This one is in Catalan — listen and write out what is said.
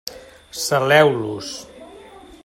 Saleu-los.